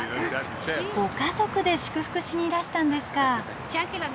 ご家族で祝福しにいらしたんですか。